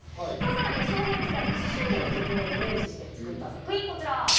さらに少年時代の思春期の自分をイメージして作った作品がこちら。